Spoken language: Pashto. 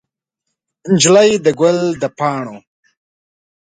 نجلۍ د ګل د پاڼو